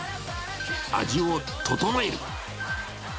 味を調える。